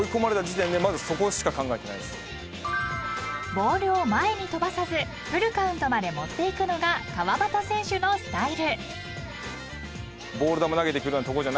［ボールを前に飛ばさずフルカウントまで持っていくのが川端選手のスタイル］